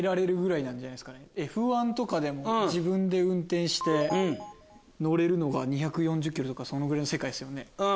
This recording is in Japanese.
Ｆ１とかでも自分で運転して乗れるのが２４０キロとかそのぐらいの世界ですよね。